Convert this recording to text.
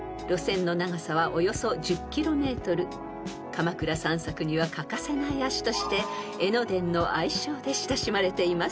［鎌倉散策には欠かせない足として江ノ電の愛称で親しまれています］